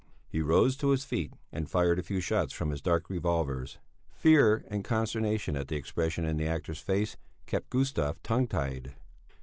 He rose to his feet and fired a few shots from his dark revolvers. Fear and consternation at the expression in the actor's face kept Gustav tongue tied.